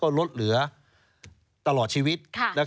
ลดเหลือตลอดชีวิต